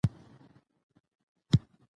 باران د افغانستان د بشري فرهنګ برخه ده.